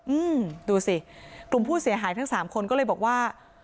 อืมดูสิกลุ่มผู้เสียหายทั้งสามคนก็เลยบอกว่า